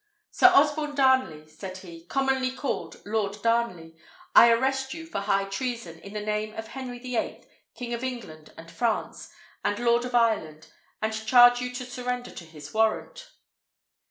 "Sir Osborne Darnley!" said he, "commonly called Lord Darnley, I arrest you for high treason, in the name of Henry the Eighth, King of England and France and Lord of Ireland, and charge you to surrender to his warrant."